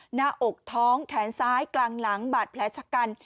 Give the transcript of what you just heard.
หน้าอกท้องแขนซ้ายกลางหลังบาดแผลชะกัน